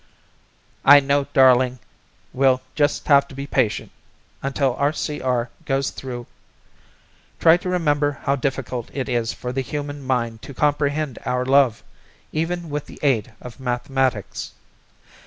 "I know, darling, we'll just have to be patient until RCR goes through. Try to remember how difficult it is for the human mind to comprehend our love, even with the aid of mathematics.